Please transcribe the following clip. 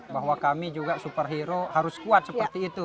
bahwa kami juga superhero harus kuat seperti itu